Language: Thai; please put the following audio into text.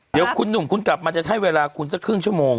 เดี๋ยวคุณหนุ่มคุณกลับมาจะให้เวลาคุณสักครึ่งชั่วโมง